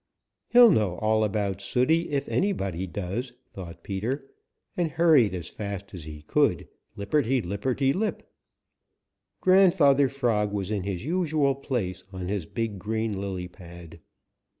"He'll know all about Sooty if anybody does," thought Peter and hurried as fast as he could, lipperty lipperty lip. Grandfather Frog was in his usual place on his big green lily pad.